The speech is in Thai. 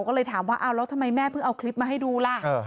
ก็เลยถามว่าเอาแล้วทำไมแม่เพิ่งเอาคลิปมาให้ดูล่ะ